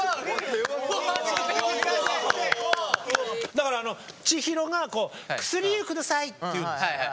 だからあの千尋が「薬湯ください！」って言うんです。